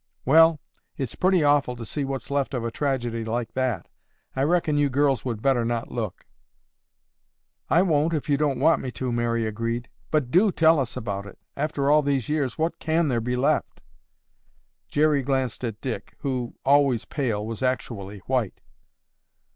"Well, it's pretty awful to see what's left of a tragedy like that. I reckon you girls would better not look." "I won't, if you don't want me to," Mary agreed, "but do tell us about it. After all these years, what can there be left?" Jerry glanced at Dick, who, always pale, was actually white.